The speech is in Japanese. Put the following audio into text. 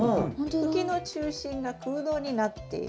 茎の中心が空洞になっている。